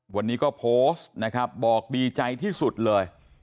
วันนี้ก็โพสต์นะครับบอกดีใจที่สุดเลย